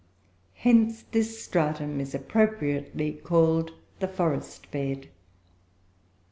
Hence this stratum is appropriately called the "forest bed."